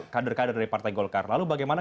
kader kader dari partai golkar lalu bagaimana